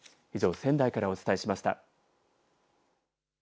以上、仙台からお伝えしました。